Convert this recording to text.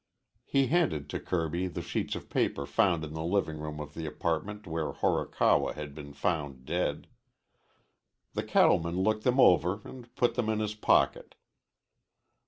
He handed to Kirby the sheets of paper found in the living room of the apartment where Horikawa had been found dead. The cattleman looked them over and put them in his pocket.